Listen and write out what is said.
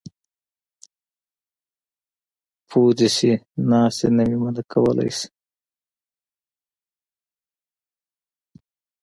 پو دې شي ناستې نه مې منع کولی شي.